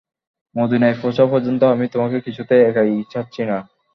মদীনায় পৌঁছা পর্যন্ত আমি তোমাকে কিছুতেই একাকী ছাড়ছি না।